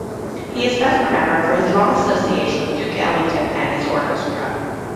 He is best remembered for his long association with Duke Ellington and his orchestra.